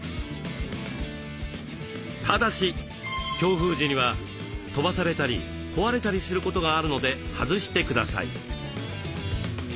ただし強風時には飛ばされたり壊れたりすることがあるので外してください。